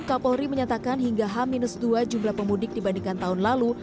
kapolri menyatakan hingga h dua jumlah pemudik dibandingkan tahun lalu